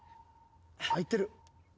いってる。